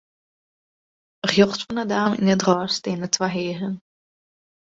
Rjochts fan 'e dame yn it rôs steane twa hearen.